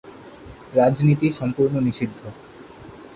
রাজনীতি সম্পূর্ণ নিষিদ্ধ।